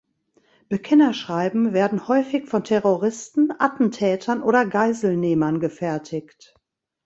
Bekennerschreiben werden häufig von Terroristen, Attentätern oder Geiselnehmern gefertigt.